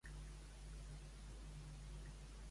Què passaria a ser aquesta zona independent?